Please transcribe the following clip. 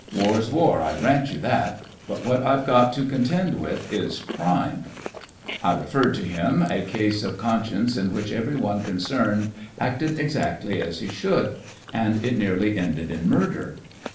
War's war, I grant you that; but what I've got to con tend with is crime." I referred to him a case of con science in which every one concerned acted exactly as he should, and it 86 THE FRINGES OF THE FLEET nearly ended in murder.